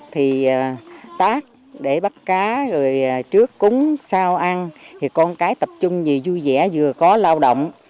thì tắt để bắt cá rồi trước cúng sau ăn thì con cái tập trung vì vui vẻ vừa có lao động